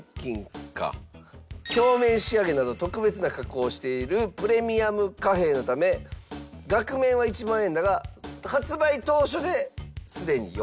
鏡面仕上げなど特別な加工をしているプレミアム貨幣のため額面は１万円だが発売当初ですでに４万円。